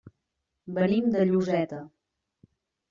Venim de Lloseta.